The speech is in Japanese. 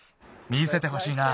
見せてほしいな。